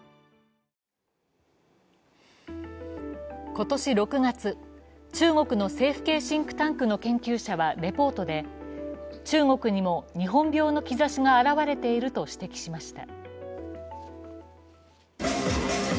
今年６月、中国の政府系シンクタンクの研究者はレポートで中国にも日本病の兆しが表れていると指摘しました。